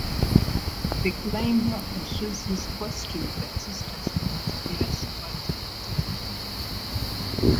The climber pursues his quest with the assistance of the mysterious bird Hentori.